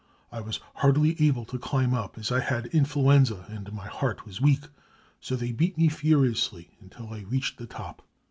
I was hardly airle to climb up, as _ had influenza and my heart was weak, so they beat me furiously until I reached the top.